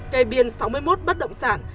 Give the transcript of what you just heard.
kê biên sáu mươi một bất động sản